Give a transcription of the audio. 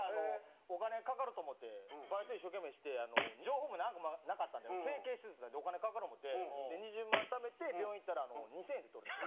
お金かかると思ってバイト一生懸命して情報もなんもなかったんで整形手術なんてお金かかる思うて２０万ためて病院行ったら２０００円で取れるって。